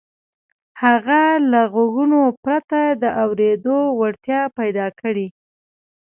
هغه له غوږونو پرته د اورېدو وړتيا پيدا کړي.